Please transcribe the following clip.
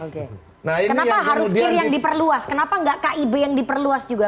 kenapa harus kiri yang diperluas kenapa nggak kib yang diperluas juga